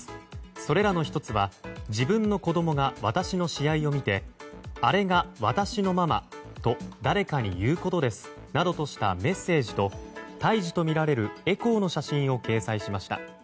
それらの１つは自分の子供が私の試合を見てあれが私のママと誰かに言うことですなどとしたメッセージと胎児とみられるエコーの写真を掲載しました。